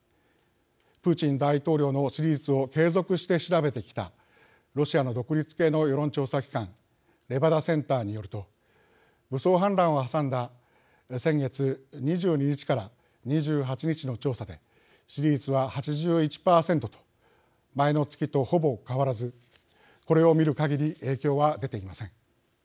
プーチン大統領の支持率を継続して調べてきたロシアの独立系の世論調査機関レバダセンターによると武装反乱をはさんだ先月２２日から２８日の調査で支持率は８１％と、前の月とほぼ変わらずこれを見るかぎり影響は出ていません。